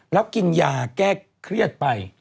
แล้วกินยาแก้เครียดไป